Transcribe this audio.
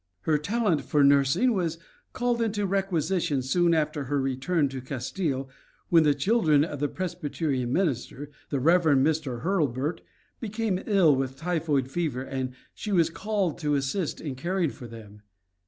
Her talent for nursing was called into requisition soon after her return to Castile when the children of the Presbyterian minister, the Rev. Mr. Hurlburt, became ill with typhoid fever and she was called to assist in caring for them.